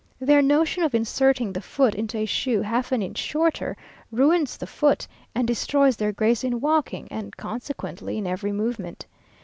Their notion of inserting the foot into a shoe half an inch shorter, ruins the foot, and destroys their grace in walking, and, consequently, in every movement.